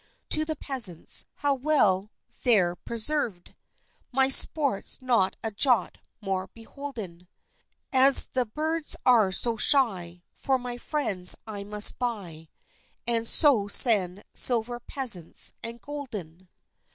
To the pheasants how well they're preserv'd! My sport's not a jot more beholden, As the birds are so shy, For my friends I must buy, And so send "silver pheasants and golden."